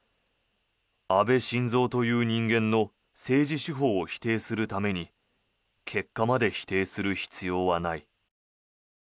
安倍晋三という人間の政治手法を否定するために結果まで否定する必要はない。